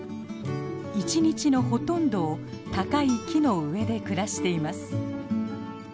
一日のほとんどを高い木の上で暮らしています。